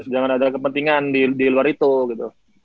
jangan ada kepentingan di luar itu gitu